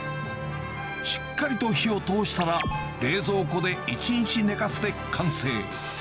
しっかりと火を通したら、冷蔵庫で１日寝かせて完成。